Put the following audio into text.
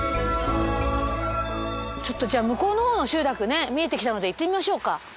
ちょっと向こうのほうの集落ね見えてきたので行ってみましょうか。